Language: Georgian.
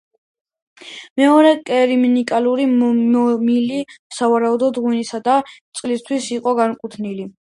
მეორე კერამიკული მილი, სავარაუდოა, ღვინისა და წყლისათვის იყო განკუთვნილი.